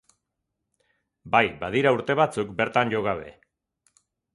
Bai, badira urte batzuk bertan jo gabe.